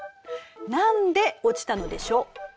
何で落ちたのでしょう？